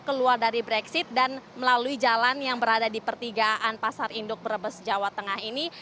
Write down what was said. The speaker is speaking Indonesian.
keluar dari brexit dan melalui jalan yang berada di pertigaan pasar induk brebes jawa tengah ini